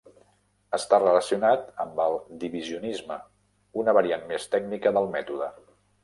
Està relacionat amb el Divisionisme, una variant més tècnica del mètode.